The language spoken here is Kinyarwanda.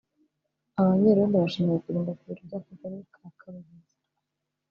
Aba banyerondo bashinzwe kurinda ku biro by’Akagari k’Akabahizi